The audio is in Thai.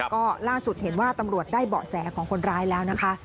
ก็ล่าสุดเห็นว่าตำรวจได้เบาะแสของคนร้ายแล้วนะคะ